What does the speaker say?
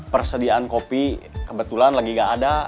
persediaan kopi kebetulan lagi gak ada